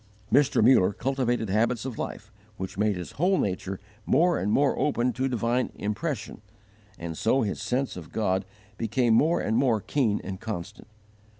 Mr. Muller cultivated habits of life which made his whole nature more and more open to divine impression, and so his sense of God became more and more keen and constant.